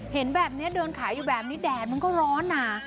เห็นแบบนี้เดินขายอยู่แบบนี้แดดมันก็ร้อนนะ